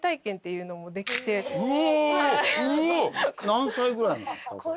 何歳ぐらいなんですか？